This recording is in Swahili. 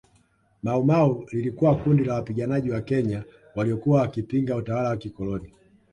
Maumau lilikuwa kundi la wapiganaji wa Kenya waliokuwa wakipinga utawala wa kikoloni